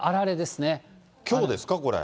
きょうですか、これ。